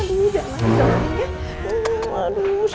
aduh ini jangan lah